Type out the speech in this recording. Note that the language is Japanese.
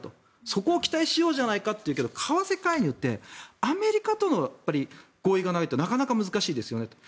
そこを期待しようじゃないかというけど、為替介入ってアメリカとの合意がないとなかなか難しいですよねと。